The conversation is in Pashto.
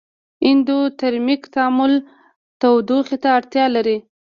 اندوترمیک تعامل تودوخې ته اړتیا لري.